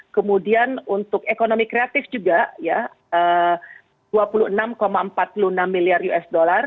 kemudian untuk ekonomi kreatif juga ya dua puluh enam empat puluh enam miliar usd